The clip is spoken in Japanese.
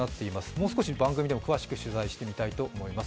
もう少し番組でも詳しく取材してみたいと思います。